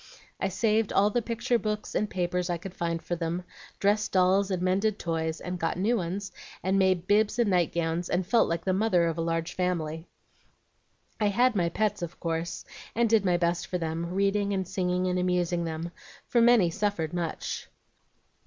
I saved all the picture books and papers I could find for them, dressed dolls, and mended toys, and got new ones, and made bibs and night gowns, and felt like the mother of a large family. "I had my pets, of course, and did my best for them, reading and singing and amusing them, for many suffered very much.